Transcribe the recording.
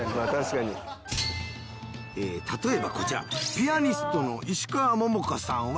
例えばこちらピアニストの石川桃花さんは。